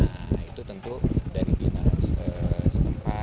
nah itu tentu dari dinas setempat